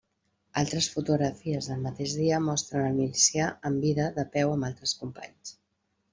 Altres fotografies del mateix dia mostren al milicià amb vida de peu amb altres companys.